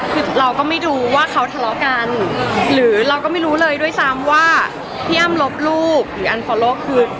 แต่ว่าระหว่างตอนที่เขาล้มเขาไม่ได้มีปฏิกิริยาอะไร